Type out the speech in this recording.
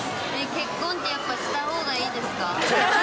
結婚って、やっぱしたほうがいいですか？